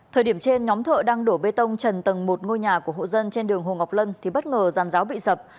thời điểm trên nhóm thợ đang đổ bê tông trần tầng một ngôi nhà của hộ dân trên đường hồ ngọc lân thì bất ngờ giàn giáo bị sập